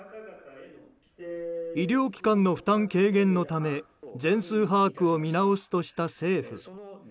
医療機関の負担軽減のため全数把握を見直すとした政府。